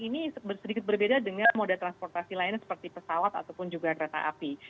ini sedikit berbeda dengan moda transportasi lainnya seperti pesawat ataupun juga kereta api